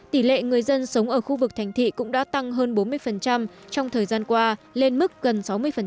tỷ lệ người dân sống ở khu vực thành thị cũng đã tăng hơn bốn mươi trong thời gian qua lên mức gần sáu mươi